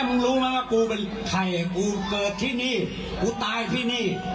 มึงรู้ไหมว่ากูเป็นใครกูเกิดที่นี่กูตายที่นี่